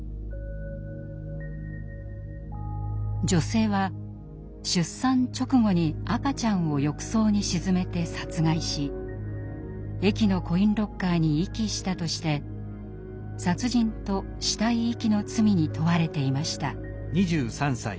女性は出産直後に赤ちゃんを浴槽に沈めて殺害し駅のコインロッカーに遺棄したとして殺人と死体遺棄の罪に問われていました。